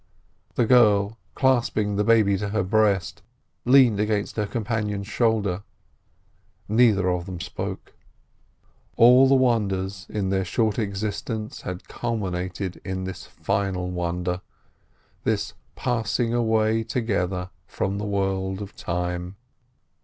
The girl, clasping the baby to her breast, leaned against her companion's shoulder; neither of them spoke. All the wonders in their short existence had culminated in this final wonder, this passing away together from the world of Time.